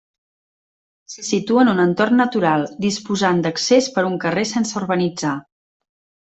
Se situa en un entorn natural, disposant d'accés per un carrer sense urbanitzar.